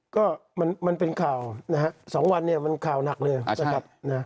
ก็มันเป็นข่าวนะฮะ๒วันเนี่ยมันข่าวหนักเลยนะครับนะ